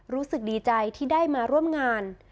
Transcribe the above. รู้สึกดีใจที่ได้มาร่วมงาน